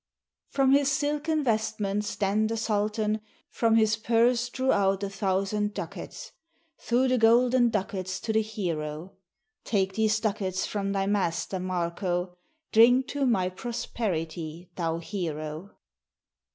From his silken vestments then the sultan From his purse drew out a thousand ducats, Threw the golden ducats to the hero: "Take these ducats from thy master, Marko, Drink to my prosperity, thou hero!"